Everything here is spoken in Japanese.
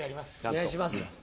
お願いしますよ。